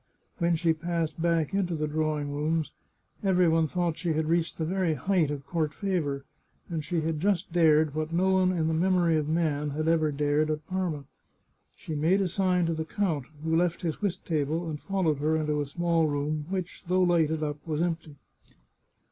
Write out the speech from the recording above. When she passed back into the drawing rooms, every one thought she had reached the very height of court fa vour, and she had just dared what no one in the memory of man had ever dared at Parma. She made a sign to the count, who left his whist table and followed her into a small room, which, though lighted up, was empty.